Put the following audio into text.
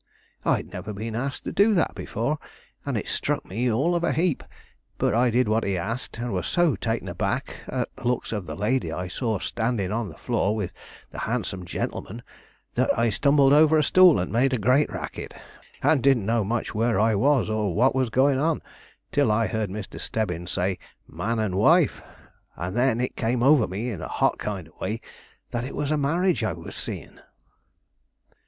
I had never been asked to do that before, and it struck me all of a heap; but I did what he asked, and was so taken aback at the looks of the lady I saw standing up on the floor with the handsome gentleman, that I stumbled over a stool and made a great racket, and didn't know much where I was or what was going on, till I heard Mr. Stebbins say 'man and wife'; and then it came over me in a hot kind of way that it was a marriage I was seeing."